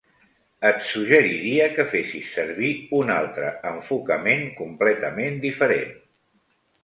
Et suggeriria que fessis servir un altre enfocament completament diferent.